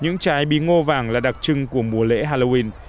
những trái bí ngô vàng là đặc trưng của mùa lễ halloween